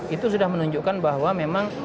itu sudah menunjukkan bahwa memang